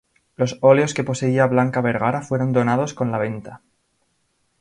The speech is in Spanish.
Los óleos que poseía Blanca Vergara fueron donados con la venta.